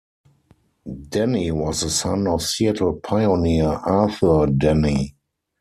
Denny was the son of Seattle pioneer Arthur Denny.